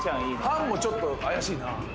「ハンもちょっと怪しいな」